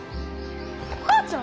お母ちゃん？